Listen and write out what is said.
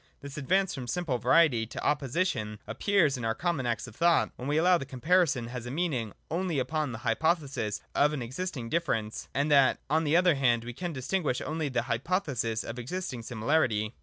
This advance from simple variety to opposition ap pears in our common acts of thought, when we allow that comparison has a meaning only upon the hypothesis of an existing difference, and that on the other hand we can distinguish only on the hypothesis of existing similarity.